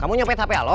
kamu nyepet hp aloy